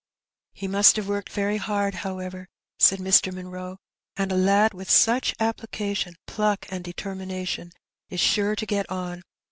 "He must have worked very hard, however," said Mr. Munroe; "and a lad with such application, pluck, and determination is sure to get on.